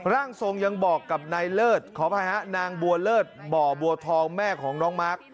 ร่างทรงยังบอกกับนายเลิศขออภัยฮะนางบัวเลิศบ่อบัวทองแม่ของน้องมาร์ค